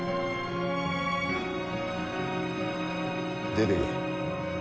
出ていけ。